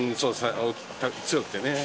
強くてね。